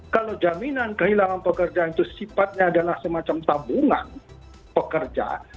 kalau jaminan kehilangan pekerjaan itu sifatnya adalah semacam tabungan pekerja